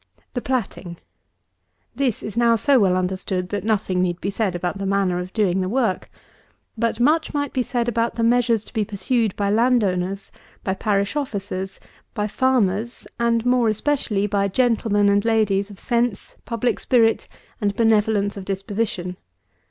232. THE PLATTING. This is now so well understood that nothing need be said about the manner of doing the work. But much might be said about the measures to be pursued by land owners, by parish officers, by farmers, and more especially by gentlemen and ladies of sense, public spirit, and benevolence of disposition.